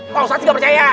kamu pasti gak percaya